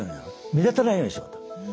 目立たないようにしようと。